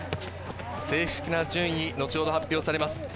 正式な順位、後ほど発表されます。